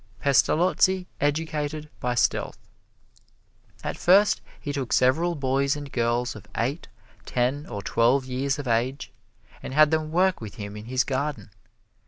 Pestalozzi educated by stealth. At first he took several boys and girls of eight, ten or twelve years of age, and had them work with him in his garden.